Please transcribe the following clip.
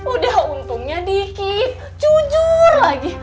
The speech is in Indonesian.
udah untungnya dikit jujur lagi